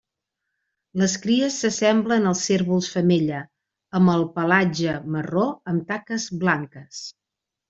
Les cries s'assemblen als cérvols femella, amb el pelatge marró amb taques blanques.